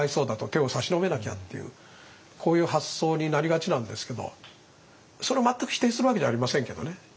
手を差し伸べなきゃっていうこういう発想になりがちなんですけどそれを全く否定するわけじゃありませんけどね。